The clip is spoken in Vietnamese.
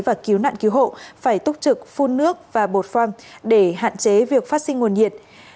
và cứu nạn cứu hộ phải túc trực phun nước và bột phòng để hạn chế việc phát sinh nguồn nhiệt